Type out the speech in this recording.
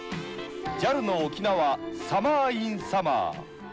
ＪＡＬの沖縄サマー・イン・サマー。